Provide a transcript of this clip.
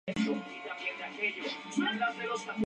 Esta sustancia puede ser tóxica si se inhala o ingiere.